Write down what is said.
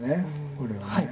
これはね。